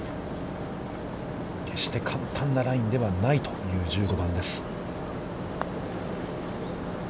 決して簡単なラインではないという１５番です。